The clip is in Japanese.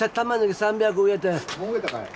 もう植えたかい？